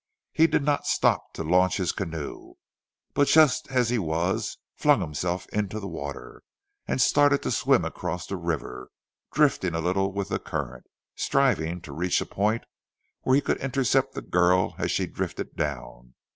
He did not stop to launch his canoe but just as he was flung himself into the water, and started to swim across the river, drifting a little with the current, striving to reach a point where he could intercept the girl as she drifted down.